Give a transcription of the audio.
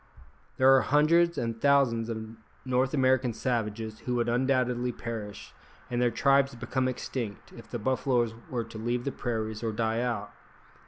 There are hundreds and thousands of North American savages who would undoubtedly perish, and their tribes become extinct, if the buffaloes were to leave the prairies or die out.